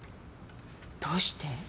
どうして？